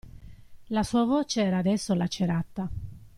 La sua voce era adesso lacerata.